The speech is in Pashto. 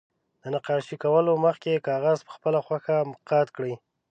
له نقاشي کولو مخکې کاغذ په خپله خوښه قات کړئ.